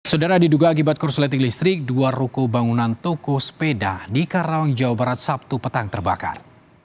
sedara diduga akibat korsleting listrik dua ruko bangunan toko sepeda di karawang jawa barat sabtu petang terbakar